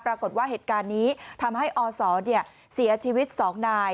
ปรากฏว่าเหตุการณ์นี้ทำให้อศเสียชีวิต๒นาย